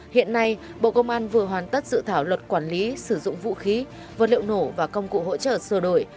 hiện nay bộ công an vừa hoàn tất dự thảo luật quản lý sử dụng vũ khí vật liệu nổ và công cụ hỗ trợ sửa đổi